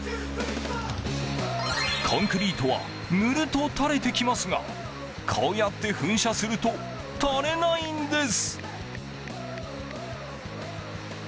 コンクリートは塗ると垂れてきますがこうやって噴射すると垂れないんです。